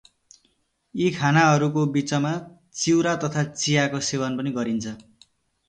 यी खानाहरूको बीचमा चिउरा तथा चियाको सेवन पनि गरिन्छ।